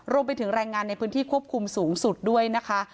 รวมไปถึงแรงงานในพื้นที่ควบคุมสูงสุดด้วยนะคะ